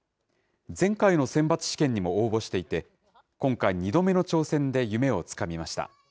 前回の選抜試験にも応募していて、今回２度目の挑戦で夢をつかみました。